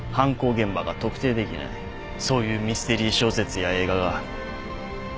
そういうミステリー小説や映画が。